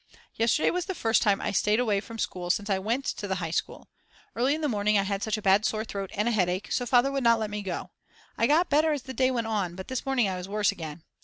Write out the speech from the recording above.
Yesterday was the first time I stayed away from school since I went to the High School. Early in the morning I had such a bad sore throat and a headache, so Father would not let me go. I got better as the day went on, but this morning I was worse again.